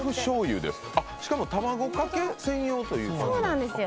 しかも卵かけ専用という。